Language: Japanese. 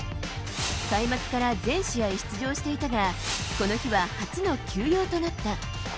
開幕から全試合出場していたが、この日は初の休養となった。